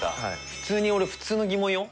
普通に俺普通の疑問よ。